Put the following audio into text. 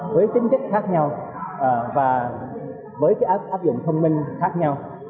với tính kích khác nhau và với cái áp dụng thông minh khác nhau